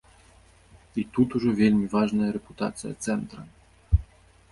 І тут ужо вельмі важная рэпутацыя цэнтра.